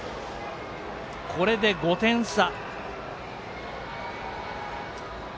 これで５点差。